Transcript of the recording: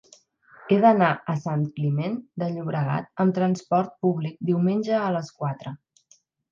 He d'anar a Sant Climent de Llobregat amb trasport públic diumenge a les quatre.